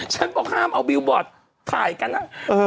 ฉันบอกห้ามเอาบิลบอร์ดถ่ายกันนะ